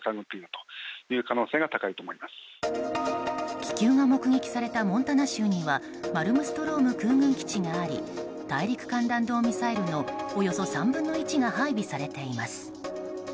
気球が目撃されたモンタナ州にはマルムストローム空軍基地があり大陸間弾道ミサイルのおよそ３分の１が配備されています。